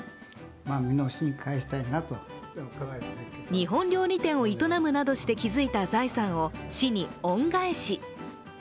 日本料理店を営むなどして築いた財産を市に恩返し。